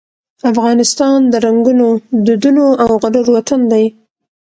افغانستان د رنګونو، دودونو او غرور وطن دی.